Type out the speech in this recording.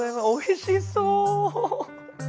おいしそう！